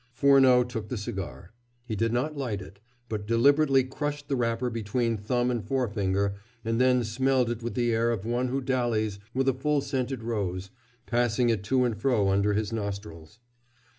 Furneaux took the cigar. He did not light it, but deliberately crushed the wrapper between thumb and forefinger, and then smelled it with the air of one who dallies with a full scented rose, passing it to and fro under his nostrils.